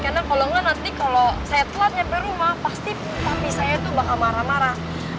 karena kalo nanti kalo saya telat nyampe rumah pasti papi saya tuh bakal marah marah